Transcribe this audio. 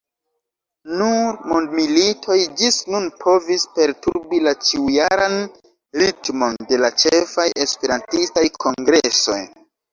Nur mondmilitoj ĝis nun povis perturbi la ĉiujaran ritmon de la ĉefaj esperantistaj kongresoj.